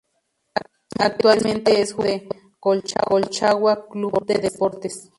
Actualmente es jugador de Colchagua Club de Deportes